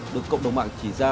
được cộng đồng mạng chỉ ra